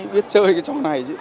biết chơi cái trò này